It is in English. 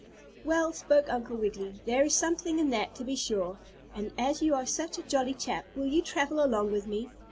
"Well," spoke Uncle Wiggily, "there is something in that, to be sure. And as you are such a jolly chap, will you travel along with me?